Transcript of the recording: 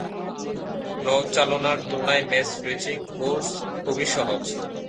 নৌচালনার তুলনায় match racing course খুবই সহজ।